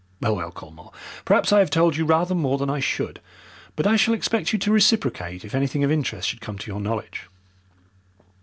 Well, well, Colmore, perhaps I have told you rather more than I should, but I shall expect you to reciprocate if anything of interest should come to your knowledge."